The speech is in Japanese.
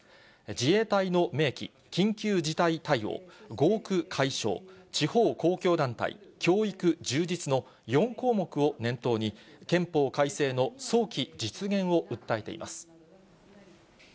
自衛隊の明記、緊急事態対応、合区解消・地方公共団体、教育充実の４項目を念頭に、憲法改正の早期実現を訴えています。